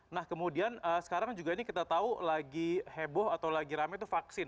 nah kemudian sekarang juga ini kita tahu lagi heboh atau lagi rame itu vaksin